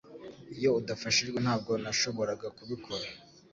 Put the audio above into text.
Iyo udafashijwe ntabwo nashoboraga kubikora